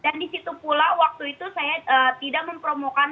dan di situ pula waktu itu saya tidak mempromokan